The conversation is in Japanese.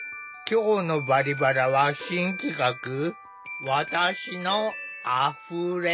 今日の「バリバラ」は新企画「わたしのあふれ」！